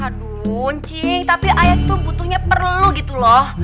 aduh ncing tapi ayat tuh butuhnya perlu gitu loh